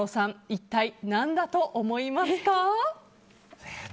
一体何だと思いますか？